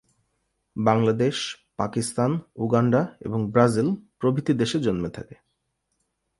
Bangladesh, Pakistan, Uganda এবং Brazil প্রভৃতি দেশে জন্মে থাকে।